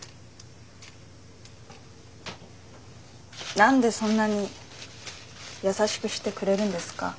何でそんなに優しくしてくれるんですか？